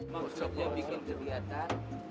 maksudnya bikin kegiatan